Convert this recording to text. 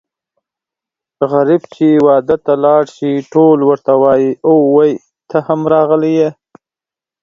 غريب چې واده ته لاړ شي ټول ورته وايي اووی ته هم راغلی یې.